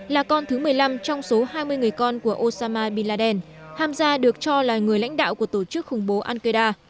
là con thứ một mươi năm trong số hai mươi người con của osama biladen tham gia được cho là người lãnh đạo của tổ chức khủng bố al qaeda